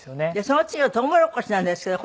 その次のトウモロコシなんですけど。